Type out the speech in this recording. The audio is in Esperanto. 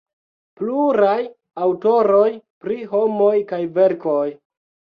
Pluraj aŭtoroj, Pri homoj kaj verkoj.